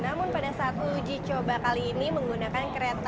namun pada saat uji coba kali ini menggunakan kereta